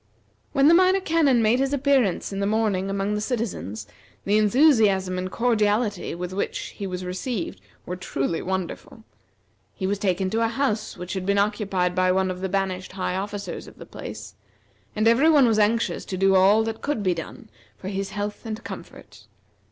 When the Minor Canon made his appearance in the morning among the citizens, the enthusiasm and cordiality with which he was received were truly wonderful. He was taken to a house which had been occupied by one of the banished high officers of the place, and every one was anxious to do all that could be done for his health and comfort.